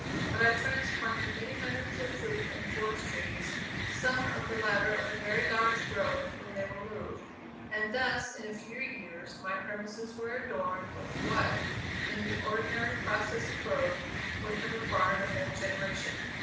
But I transplanted many hundreds of fruit and forest trees, some of the latter of very large growth when they were moved, and thus in a few years my premises were adorned with what, in the ordinary process of growth, would have required a whole generation.